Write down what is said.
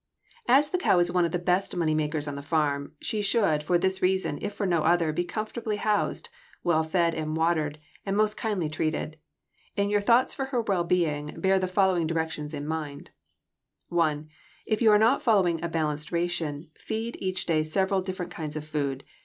= As the cow is one of the best money makers on the farm, she should, for this reason, if for no other, be comfortably housed, well fed and watered, and most kindly treated. In your thoughts for her well being, bear the following directions in mind: 1. If you are not following a balanced ration, feed each day several different kinds of food.